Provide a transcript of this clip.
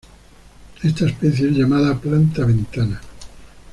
Esta especie es llamada "planta ventana".